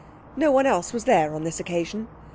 No one else was there on this occasion.